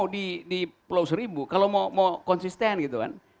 di pulau seribu kalau mau konsisten